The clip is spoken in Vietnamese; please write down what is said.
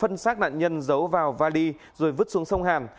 các nạn nhân giấu vào vali rồi vứt xuống sông hàn